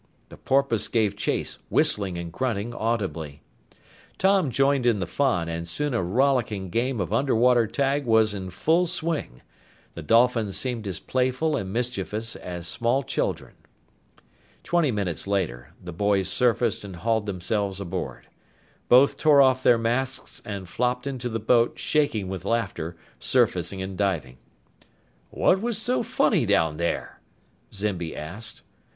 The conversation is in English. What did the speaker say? The porpoise gave chase, whistling and grunting audibly. Tom joined in the fun, and soon a rollicking game of underwater tag was in full swing. The dolphins seemed as playful and mischievous as small children. Twenty minutes later the boys surfaced and hauled themselves aboard. Both tore off their masks and flopped into the boat, shaking with laughter, surfacing and diving. "What was so funny down there?" Zimby asked.